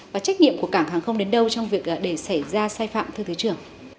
và trách nhiệm của cảng hàng không đến đâu trong việc để xảy ra sai phạm thưa thứ trưởng